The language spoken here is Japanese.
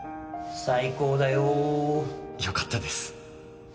最高だよ。よかったです。